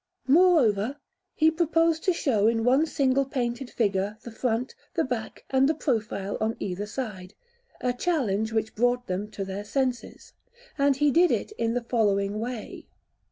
Moreover, he proposed to show in one single painted figure the front, the back, and the profile on either side, a challenge which brought them to their senses; and he did it in the following way.